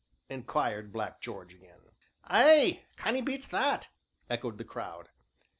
inquired Black George again. "Ay, can 'ee beat that?" echoed the crowd.